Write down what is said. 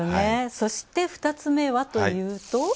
そして、２つ目はというと。